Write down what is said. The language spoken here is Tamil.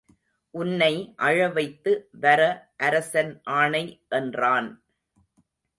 உன்னை அழைத்து வர அரசன் ஆணை என்றான்.